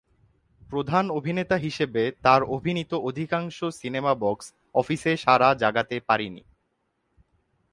প্রধান অভিনেতা হিসেবে তার অভিনীত অধিকাংশ সিনেমা বক্স অফিসে সাড়া জাগাতে পারে নি।